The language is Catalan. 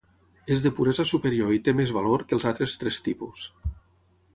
És de puresa superior i té més valor que els altres tres tipus.